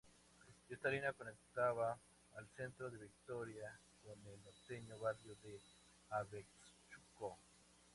Esta línea conectaba al centro de Vitoria con el norteño barrio de Abetxuko.